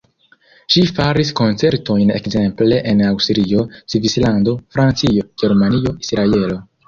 Ŝi faris koncertojn ekzemple en Aŭstrio, Svislando, Francio, Germanio, Israelo.